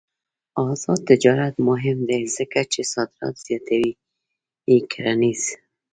آزاد تجارت مهم دی ځکه چې صادرات زیاتوي کرنيز.